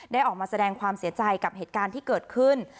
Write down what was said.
ออกมาแสดงความเสียใจกับเหตุการณ์ที่เกิดขึ้น